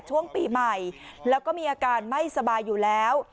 ช่วงปีใหม่แล้วก็มีอาการไม่สบายอยู่แล้ว